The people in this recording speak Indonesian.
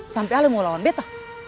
sampai ale mau lawan bete